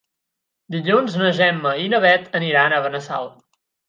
Dilluns na Gemma i na Bet aniran a Benassal.